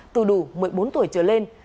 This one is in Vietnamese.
từ đủ một mươi bốn tuổi trở lên